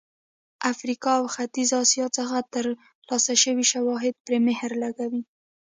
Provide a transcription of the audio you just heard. افریقا او ختیځې اسیا څخه ترلاسه شوي شواهد پرې مهر لګوي.